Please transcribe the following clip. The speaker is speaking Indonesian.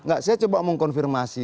enggak saya coba mau konfirmasi